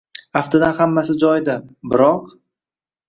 Aftidan hammasi joyida, biroq: